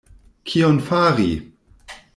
Kion Fari?